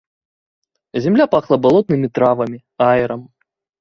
Зямля пахла балотнымі травамі, аерам.